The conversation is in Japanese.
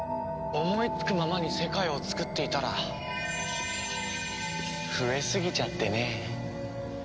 思いつくままに世界をつくっていたら増えすぎちゃってね。